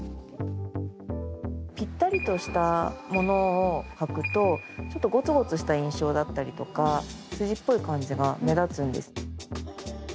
ぴったりとしたものをはくと、ちょっとごつごつした印象だったりとか筋っぽい感じが目立つんです。